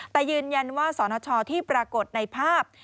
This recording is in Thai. แต่ยืนยันว่าสนชที่ปรากฏในภาพ